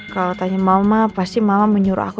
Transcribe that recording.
kalau tanya mama pasti mama menyuruh aku